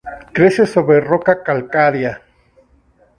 Crece sobre roca calcárea.